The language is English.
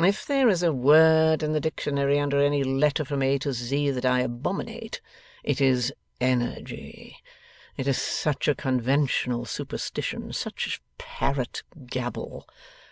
If there is a word in the dictionary under any letter from A to Z that I abominate, it is energy. It is such a conventional superstition, such parrot gabble!